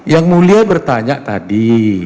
yang mulia bertanya tadi